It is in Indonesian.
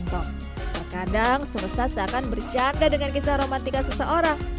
terkadang semesta seakan berjaga dengan kisah romantika seseorang